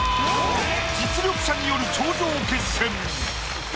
実力者による頂上決戦。